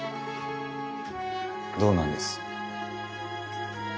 どうなんです？